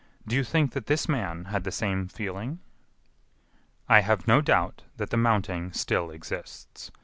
Do you think that this man had the same feeling?" "I have no doubt that the mounting still exists.